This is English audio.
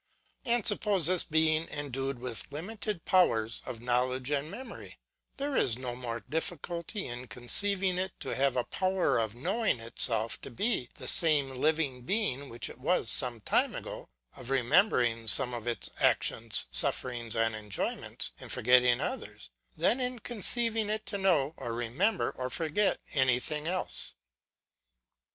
And suppose this being endued with limited powers of knowledge and memory, there is no more difficulty in conceiving it to have a power of knowing itself to be the same living being which it was some time ago, of remembering some of its actions, sufferings, and enjoyments, and forgetting others, than in conceiving it to know or remember or forget any thing else.